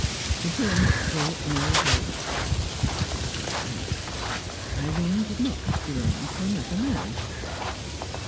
To him it brought no hope what of that! Irene did not belong to another man.